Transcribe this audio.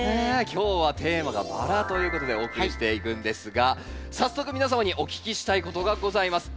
今日はテーマが「バラ」ということでお送りしていくんですが早速皆様にお聞きしたいことがございます。